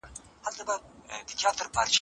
شور وو ګډ په وړو لویو حیوانانو